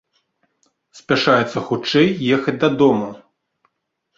Спяшаецца хутчэй ехаць дадому.